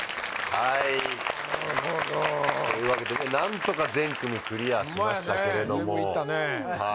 はいなるほどというわけでね何とか全組クリアしましたけれどもホンマやね全部いったね